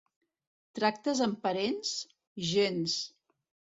Tractes amb parents? Gens!